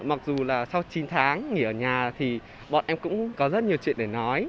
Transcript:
mặc dù là sau chín tháng nghỉ ở nhà thì bọn em cũng có rất nhiều chuyện để nói